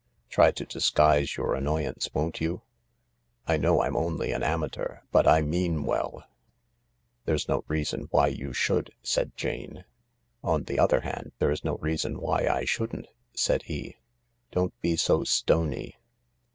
Try to disguise your annoyance, won't you ? I know I'm only an amateur, but I mean well." THE LARK 99 " There's no reason why you should," said Jane. " On the other hand, there's no reason why I shouldn't," said he. " Don't be so stony.